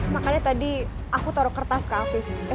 makanya tadi aku taruh kertas kak afif